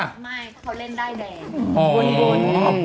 ไม่เขาเล่นได้แดง